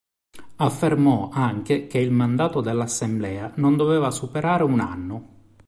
Affermò anche che il mandato dell'Assemblea non doveva superare un anno.